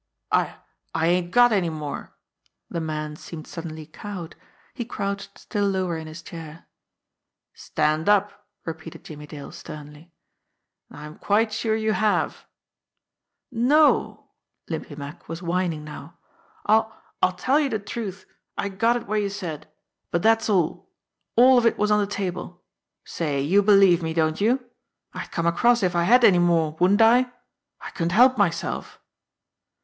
"I I ain't got any more." The man seemed suddenly cowed. He crouched still lower in his chair. "Stand up!" repeated Jimmie Dale sternly. "Now I'm quite sure you have !" "No !" Limpy Mack was whining now. "I I'll tell you the truth. I got it where you said. But that's all all of it was on the table. Say, you believe me, don't you ? I'd come across if I had any more, wouldn't I ? I couldn't help my self."